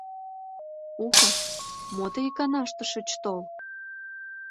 — Ухов, мо тый иканаште шыч тол?